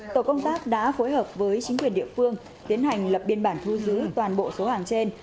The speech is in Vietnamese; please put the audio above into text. tổ công tác đã phối hợp với chính quyền địa phương tiến hành lập biên bản thu giữ toàn bộ số hàng trên